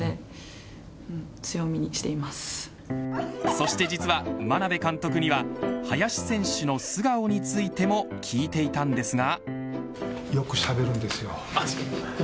そして実は眞鍋監督には林選手の素顔についても聞いていたんですが。